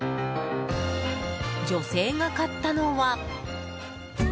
女性が買ったのは。